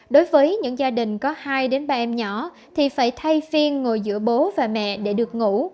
đối với những gia đình có hai ba em nhỏ thì phải thay phiên ngồi giữa bố và mẹ để được ngủ